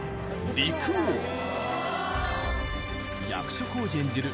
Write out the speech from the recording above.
「陸王」役所広司演じる